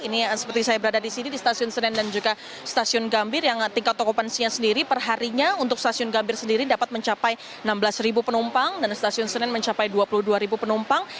ini seperti saya berada di sini di stasiun senen dan juga stasiun gambir yang tingkat okupansinya sendiri perharinya untuk stasiun gambir sendiri dapat mencapai enam belas penumpang dan stasiun senen mencapai dua puluh dua penumpang